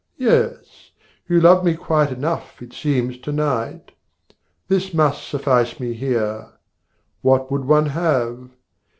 Yes, You loved me quite enough. it seems to night. This must suffice me here. What would one have?